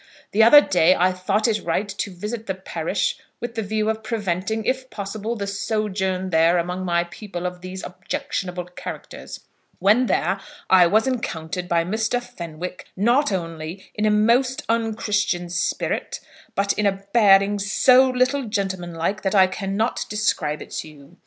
The other day I thought it right to visit the parish with the view of preventing, if possible, the sojourn there among my people of these objectionable characters. When there I was encountered by Mr. Fenwick, not only in a most unchristian spirit, but in a bearing so little gentlemanlike, that I cannot describe it to you.